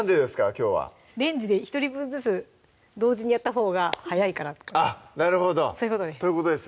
きょうはレンジで１人分ずつ同時にやったほうが早いからあっなるほどそういうことです